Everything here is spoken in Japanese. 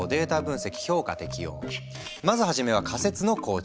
まず初めは仮説の構築。